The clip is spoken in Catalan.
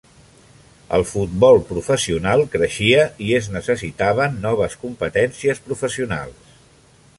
El futbol professional creixia i es necessitaven noves competències professionals.